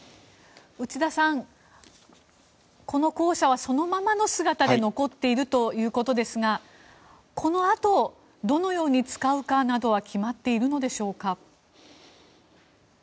内田さん、この校舎はそのままの姿で残っているということですがこのあとどのように使うかなどは決まっているのでしょうか。